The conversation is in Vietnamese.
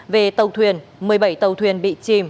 về tàu thuyền một mươi bảy tàu thuyền bị chìm